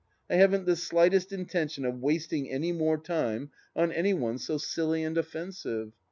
" I haven't the slightest intention of wasting any more time on any one so silly and offensive.